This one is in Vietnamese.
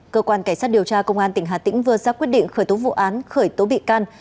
cơ quan cảnh sát điều tra công an tỉnh hà tĩnh vừa ra quyết định khởi tố vụ án khởi tố bị can